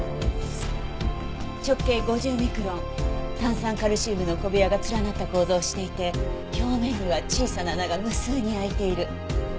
直径５０ミクロン炭酸カルシウムの小部屋が連なった構造をしていて表面には小さな穴が無数にあいている。